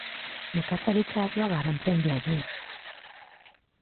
Nekazaritza arloak garrantzi handia du.